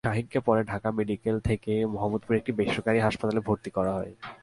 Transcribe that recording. শাহীনকে পরে ঢাকা মেডিকেল থেকে মোহাম্মদপুরের একটি বেসরকারি হাসপাতালে ভর্তি করা হয়।